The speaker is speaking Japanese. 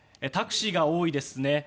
タクシーが多いですね。